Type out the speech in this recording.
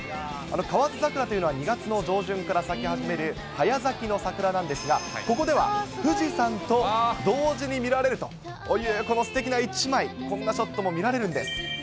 河津桜というのは２月の上旬から咲き始める早咲きの桜なんですが、ここでは富士山と同時に見られるという、このすてきな１枚、こんなショットも見られるんです。